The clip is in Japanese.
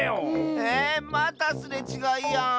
ええっまたすれちがいやん。